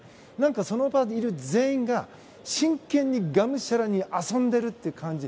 その場にいる全員が真剣に、がむしゃらに遊んでいるっていう感じ。